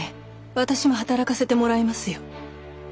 私も働かせてもらいますよ。